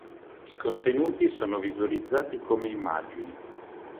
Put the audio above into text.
I contenuti sono visualizzati come immagini.